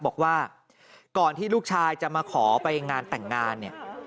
บอกว่าก่อนที่ลูกชายจะมาขอไปงานแต่งงานเนี่ย